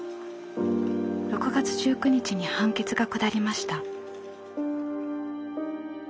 ６月１９日に判決が下りました。